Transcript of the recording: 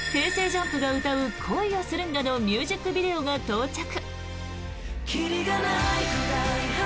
ＪＵＭＰが歌う「恋をするんだ」のミュージックビデオが到着。